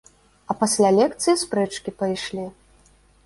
А пасля лекцыі спрэчкі пайшлі.